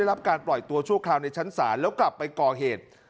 รับการปล่อยตัวชั่วคราวในชั้นศาลแล้วกลับไปก่อเหตุ